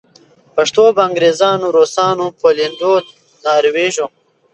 پښتو به انګریزانو، روسانو پولېنډو ناروېژو